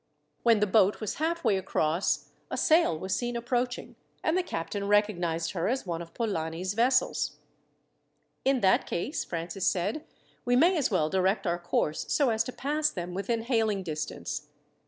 When the boat was halfway across, a sail was seen approaching, and the captain recognized her as one of Polani's vessels. "In that case," Francis said, "we may as well direct our course so as to pass them within hailing distance.